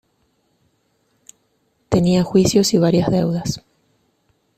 Tenía juicios y varias deudas.